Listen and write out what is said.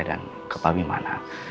dan kepabin mana